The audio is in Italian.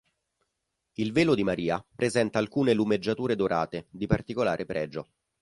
Il velo di Maria presenta alcune lumeggiature dorate, di particolare pregio.